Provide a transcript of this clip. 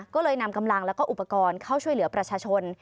ก็เลยนำกำลังแล้วก็อุปกรณ์เข้าช่วยเหลือประชาชน